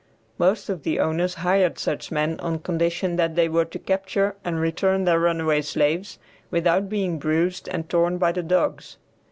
Most of the owners hired such men on condition that they were to capture and return their runaway slaves, without being bruised and torn by the dogs.